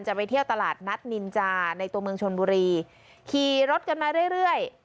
จะไปเที่ยวตลาดนัดนินจาในตัวเมืองชนบุรีขี่รถกันมาเรื่อยเรื่อย